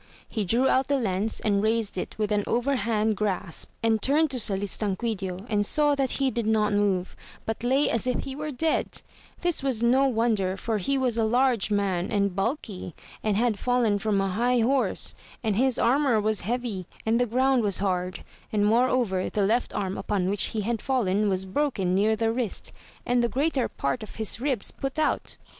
He drew out the lance, and raised it with an overhand grasp and turned to Salustanquidio and saw that he did not move, but lay as if he were dead ; this was no wonder for he was a large man and bulky, and had fallen from a high horse, and his armour was heavy and the ground was hard, and moreover the left arm upon which he had fallen, was broken near the wrist, and the greater part of his ribs put out.